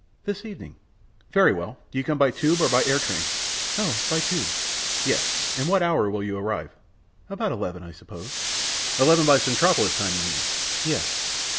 "This evening." "Very well. Do you come by tube or by air train?" "Oh, by tube." "Yes; and at what hour will you arrive?" "About eleven, I suppose." "Eleven by Centropolis time, you mean?" "Yes."